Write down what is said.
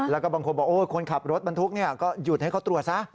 แล้วก็บางคนบอกคนขับรถบรรทุกก็หยุดให้เขาตรวจซะ